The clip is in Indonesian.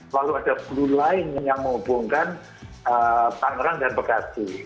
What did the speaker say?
lalu ada blue line yang menghubungkan tanggerang dan jalan